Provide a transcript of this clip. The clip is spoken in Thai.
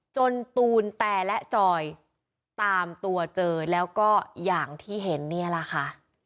ตูนแต่และจอยตามตัวเจอแล้วก็อย่างที่เห็นเนี่ยแหละค่ะ